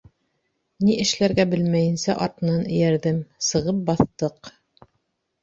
Ни эшләргә белмәйенсә артынан эйәрҙем, сығып баҫтыҡ.